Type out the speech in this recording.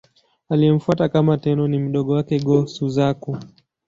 Aliyemfuata kama Tenno ni mdogo wake, Go-Suzaku.